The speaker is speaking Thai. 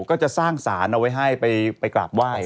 ก็จะสร้างสารเอาไว้ให้ไปกราบไหว้